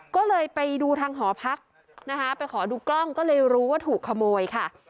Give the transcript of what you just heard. ก็เลยไปดูทางหอพักนะคะไปขอดูกล้องก็เลยรู้ว่าถูกขโมยค่ะ